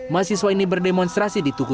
mahasiswa ini berdemonstrasi di tugu